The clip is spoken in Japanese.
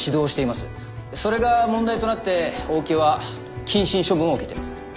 それが問題となって大木は謹慎処分を受けています。